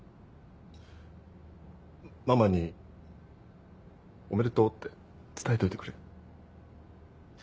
ママにおめでとうって伝えといてくれ。